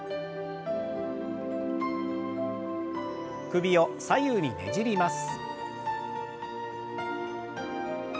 首を左右にねじります。